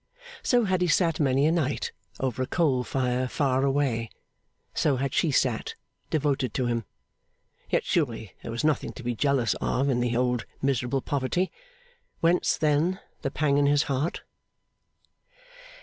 So had he sat many a night, over a coal fire far away; so had she sat, devoted to him. Yet surely there was nothing to be jealous of in the old miserable poverty. Whence, then, the pang in his heart?